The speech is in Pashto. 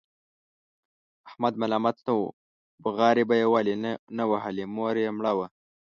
احمد ملامت نه و، بغارې به یې ولې نه وهلې؛ مور یې مړه وه.